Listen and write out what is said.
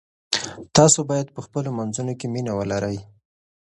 تاسو باید په خپلو منځونو کې مینه ولرئ.